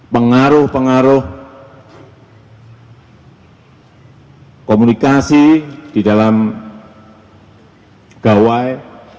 pengaruh pengaruh komunikasi di dalam gawai